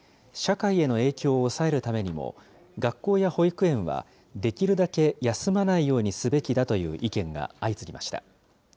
社会への影響を抑えるためにも学校や保育園はできるだけ休まないようにすべきだという意見が相次ぎました。